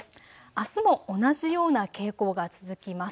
あすも同じような傾向が続きます。